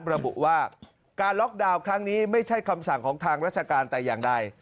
ระบุว่าการล็อกดาวน์ครั้งนี้ไม่ใช่คำสั่งของทางราชการแต่อย่างใด